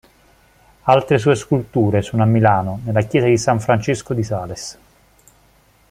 Altre sue sculture sono a Milano, nella Chiesa di San Francesco di Sales.